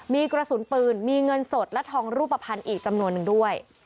มีกระสุนปืนมีเงินสดและทองรูปภัณฑ์อีกจำนวนนึงด้วย